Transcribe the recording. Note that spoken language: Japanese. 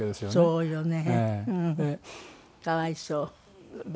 そうよね。